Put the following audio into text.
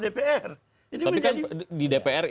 tapi kan di dpr itu mayoritas pendukungnya